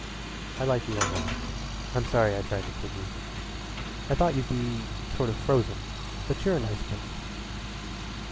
"I like you, Omar. I'm sorry I tried to kid you. I thought you'd be sort of frozen, but you're a nice boy."